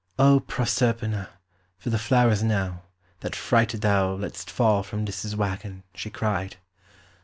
"O Proserpina, for the flowers now, that frighted thou let'st fall from Dis's waggon!" she cried.